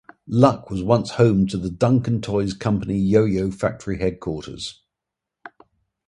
Luck was once home to the Duncan Toys Company Yo-Yo factory headquarters.